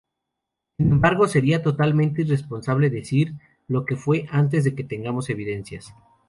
Sin embargo, sería totalmente irresponsable decir lo que fue antes de que tengamos evidencias.